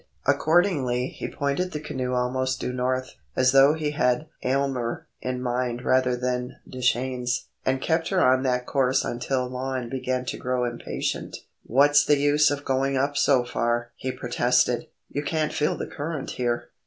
Accordingly he pointed the canoe almost due north, as though he had Aylmer in mind rather than Deschenes, and kept her on that course until Lon began to grow impatient. "What's the use of going up so far?" he protested; "you can't feel the current here."